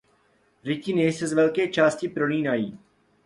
Rytiny se z velké části prolínají.